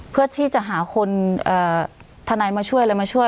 เพื่อที่จะหาคนทนายมาช่วยอะไรมาช่วย